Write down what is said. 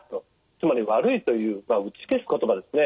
つまり悪いという打ち消す言葉ですね。